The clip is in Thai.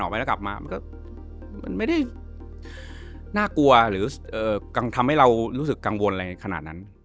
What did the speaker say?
มันไม่ได้น่ากลัวหรือทำให้เรารู้สึกกังวลอะไรขนาดนั้น